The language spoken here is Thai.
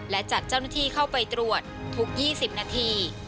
และจัดเจ้าหน้าที่เข้าไปตรวจทุก๒๐นาที